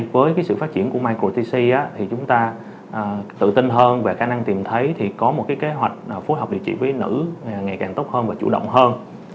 với sự phát triển của microtc chúng ta tự tin hơn về khả năng tìm thấy thì có một kế hoạch phối hợp điều trị với nữ ngày càng tốt hơn và chủ động hơn